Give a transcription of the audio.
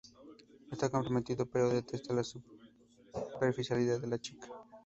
Está comprometido, pero detesta la superficialidad de la chica.